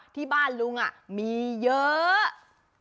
ที่บ้านลุงมีเยอะ